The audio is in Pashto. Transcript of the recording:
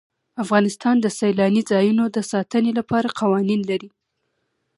افغانستان د سیلاني ځایونو د ساتنې لپاره قوانین لري.